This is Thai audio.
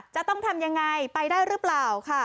จะต้องทำยังไงไปได้หรือเปล่าค่ะ